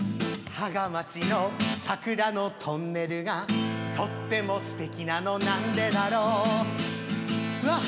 芳賀町の桜のトンネルがとってもすてきなのなんでだろうわあ！